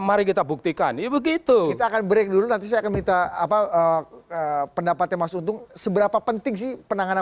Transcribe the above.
mari kita buktikan itu begitu akan break dulu nanti saya kemita apa pendapatnya masuk seberapa penting